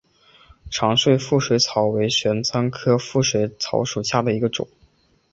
长穗腹水草为玄参科腹水草属下的一个种。